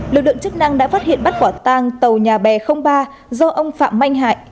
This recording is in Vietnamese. lực lượng chức năng đã phát hiện bắt quả tang tàu nhà bè ba do ông phạm manh hải